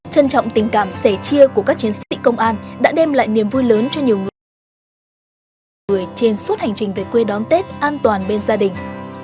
trân trọng tình cảm sẻ chia của các chiến sĩ công an đã đem lại niềm vui lớn cho nhiều người trên suốt hành trình về quê đón tết an toàn bên gia đình